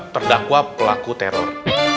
terdakwa pelaku teror